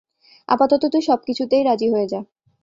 আপাতত তুই সব কিছুতেই রাজি হয়ে যা।